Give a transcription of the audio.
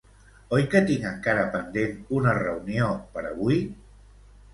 Oi que tinc encara pendent una reunió per avui?